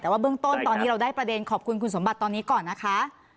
แต่ว่าเบื้องต้นตอนนี้เราได้ประเด็นขอบคุณคุณสมบัติตอนนี้ก่อนนะคะ